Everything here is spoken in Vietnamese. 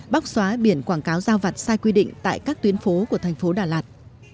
bóc xóa biển quảng cáo giao vặt sai quy định tại các tuyến phố của thành phố đà lạt